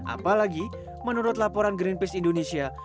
apalagi menurut laporan greenpeace indonesia